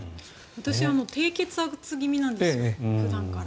私、低血圧気味なんです普段から。